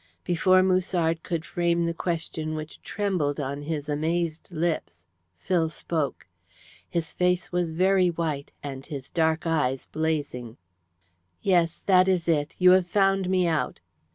Before Musard could frame the question which trembled on his amazed lips, Phil spoke. His face was very white, and his dark eyes blazing: "Yes. That is it. You have found me out."